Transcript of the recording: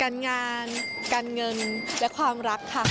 การงานการเงินและความรักค่ะ